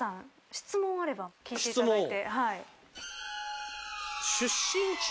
質問あれば聞いていただいて。